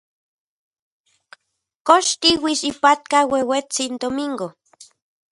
¿Kox tiuits ipatka ueuetsin Domingo?